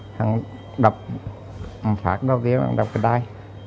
thằng đập thằng phát đau dế thằng đập cái đai